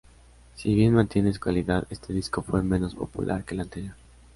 Si bien mantienen su calidad, este disco fue menos popular que el anterior.